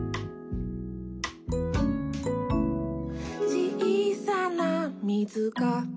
「ちいさなみずが」